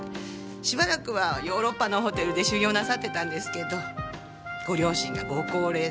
しばらくはヨーロッパのホテルで修業なさってたんですけどご両親がご高齢で。